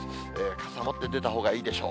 傘持って出たほうがいいでしょう。